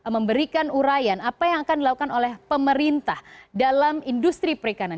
memberikan urayan apa yang akan dilakukan oleh pemerintah dalam industri perikanan